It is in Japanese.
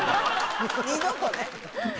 二度とね。